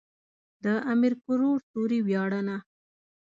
د امير کروړ سوري وياړنه.